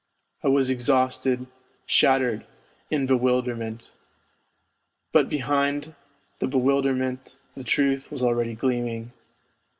I was exhausted, shattered, in bewilderment. But behind the bewilderment the truth was already gleaming.